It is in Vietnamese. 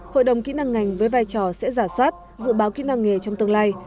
hội đồng kỹ năng ngành với vai trò sẽ giả soát dự báo kỹ năng nghề trong tương lai